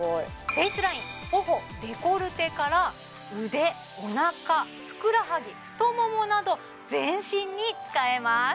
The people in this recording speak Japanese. フェースライン頬デコルテから腕おなかふくらはぎ太ももなど全身に使えます